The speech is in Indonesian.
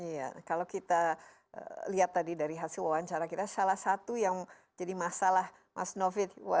iya kalau kita lihat tadi dari hasil wawancara kita salah satu yang jadi masalah mas novi